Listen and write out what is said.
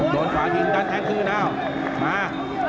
โดนขวาทิ้งดันแท้งคืนอ้าวมา